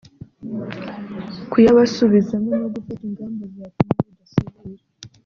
kuyabasubizamo no gufata ingamba zatuma bidasubira